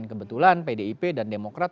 kebetulan pdip dan demokrat